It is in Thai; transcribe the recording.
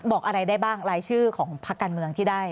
บอกอะไรได้บ้างรายชื่อของพักการเมืองที่ได้